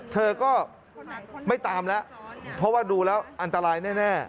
เธอก็ไม่ตามแล้วเพราะว่าดูแล้วอันตรายแน่